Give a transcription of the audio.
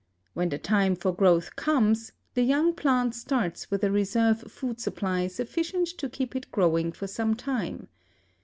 When the time for growth comes, the young plant starts with a reserve food supply sufficient to keep it growing for some time.